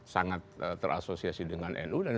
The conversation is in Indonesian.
sangat terasosiasi dengan nu dan